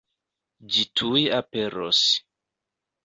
Ĝi tuj aperos.